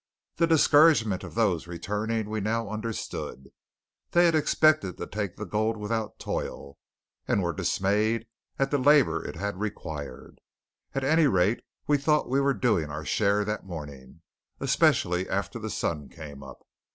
The discouragement of those returning we now understood. They had expected to take the gold without toil; and were dismayed at the labour it had required. At any rate, we thought we were doing our share that morning, especially after the sun came up.